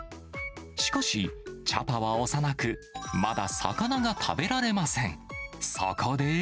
しかし、チャパは幼く、まだ魚が食べられません。